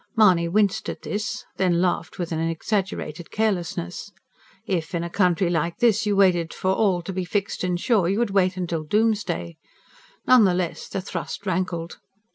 Mahony winced at this. Then laughed, with an exaggerated carelessness. If, in a country like this, you waited for all to be fixed and sure, you would wait till Domesday. None the less, the thrust rankled.